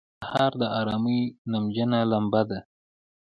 سهار د آرامۍ نمجنه لمبه ده.